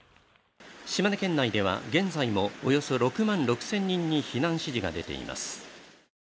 島根県内では現在もおよそ６万６０００人に避難指示が出ています。